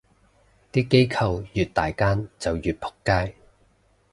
啲機構越大間就越仆街